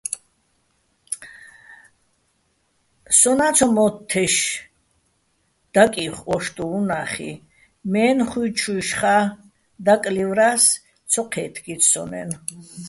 სონა́ ცომო́თთეშ დაკიხო ო́შტუჼ უ̂ნახში, მე́ნხუჲჩუჲშხა́ დაკლივრა́ს, ცო ჴე́თგიც სონ-აჲნო̆.